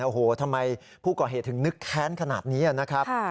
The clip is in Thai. โอ้โหทำไมผู้ก่อเหตุถึงนึกแค้นขนาดนี้นะครับ